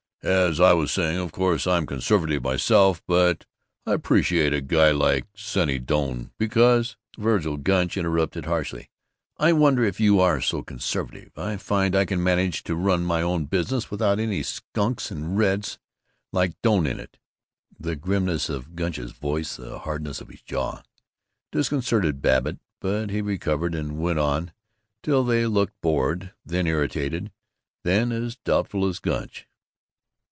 As I was saying: Of course I'm conservative myself, but I appreciate a guy like Senny Doane because " Vergil Gunch interrupted harshly, "I wonder if you are so conservative? I find I can manage to run my own business without any skunks and reds like Doane in it!" The grimness of Gunch's voice, the hardness of his jaw, disconcerted Babbitt, but he recovered and went on till they looked bored, then irritated, then as doubtful as Gunch.